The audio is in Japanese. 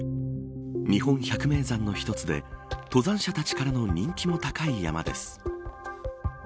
日本百名山の一つで登山者たちからの人気も高い山です。